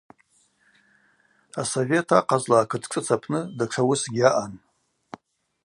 Асовет ахъазла акыт шӏыц апны датша уысгьи аъан.